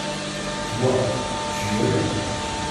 toi, tu aimais.